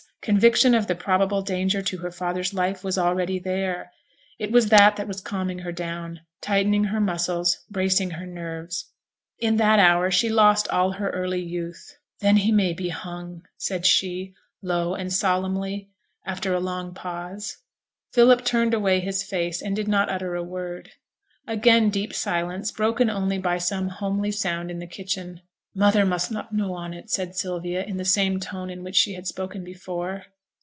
conviction of the probable danger to her father's life was already there: it was that that was calming her down, tightening her muscles, bracing her nerves. In that hour she lost all her early youth. 'Then he may be hung,' said she, low and solemnly, after a long pause. Philip turned away his face, and did not utter a word. Again deep silence, broken only by some homely sound in the kitchen. 'Mother must not know on it,' said Sylvia, in the same tone in which she had spoken before.